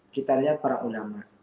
kita lihat para ulama